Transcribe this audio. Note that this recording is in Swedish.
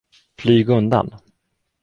Flyg undan!